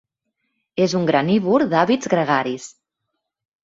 És un granívor d'hàbits gregaris.